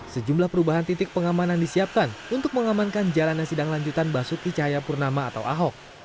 sejumlah perubahan titik pengamanan disiapkan untuk mengamankan jalannya sidang lanjutan basuki cahayapurnama atau ahok